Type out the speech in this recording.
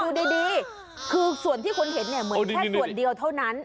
อยู่ดีคือส่วนที่คนเห็นเนี่ยเหมือนแค่ส่วนเดียวเท่านั้น